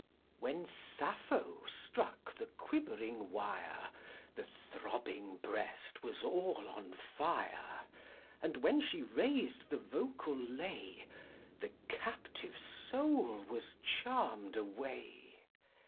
1 When Sappho struck the quivering wire, The throbbing breast was all on fire; And when she raised the vocal lay, The captive soul was charm'd away!